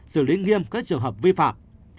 xử lý nghiêm các trường hợp vi phạm